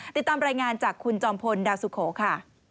ติดตามรายงานจากคุณจอมพลดาวสุโขค่ะ